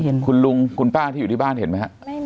เห็นคุณลุงคุณป้าที่อยู่ที่บ้านเห็นไหมฮะไม่มี